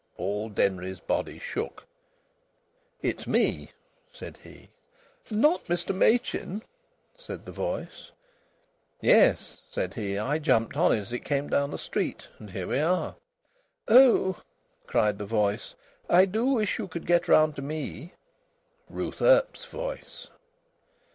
All Denry's body shook. "It's me!" said he. "Not Mr Machin?" said the voice. "Yes," said he. "I jumped on as it came down the street and here we are!" "Oh!" cried the voice. "I do wish you could get round to me." Ruth Earp's voice.